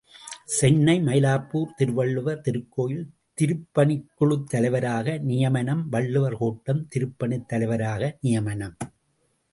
● சென்னை, மயிலாப்பூர் திருவள்ளுவர் திருக்கோயில் திருப்பணிக்குழுத் தலைவராக நியமனம், வள்ளுவர் கோட்டம் திருப்பணித் தலைவராக நியமனம்.